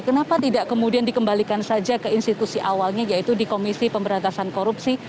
kenapa tidak kemudian dikembalikan saja ke institusi awalnya yaitu di komisi pemberantasan korupsi